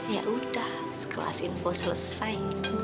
yaudah sekelas info selesai